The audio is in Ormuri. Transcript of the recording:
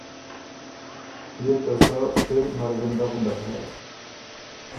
تُو يې ته سۀ سِر نرغِندۀ غُندک هې!